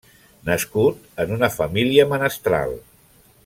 Nascut en una família menestral.